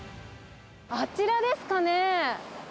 あちらですかね。